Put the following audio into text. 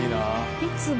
いつも？